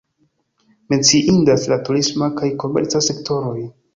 Menciindas la turisma kaj komerca sektoroj.